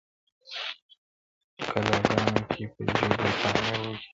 قلاګانو کي په جګو تعمیرو کي٫